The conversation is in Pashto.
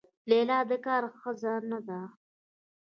لیلا د کار ښځه نه ده.